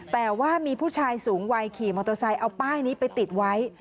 แต่ว่ามีผู้ชายสูงวัยขี่มอเตอร์ไซค์เอาป้ายนี้ไปติดไว้